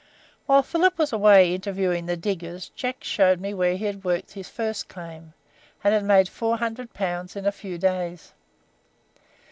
While Philip was away interviewing the diggers, Jack showed me where he had worked his first claim, and had made 400 pounds in a few days.